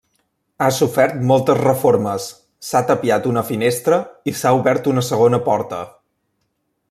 Ha sofert moltes reformes: s'ha tapiat una finestra i s'ha obert una segona porta.